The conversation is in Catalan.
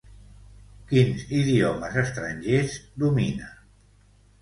Quins idiomes estrangers domina?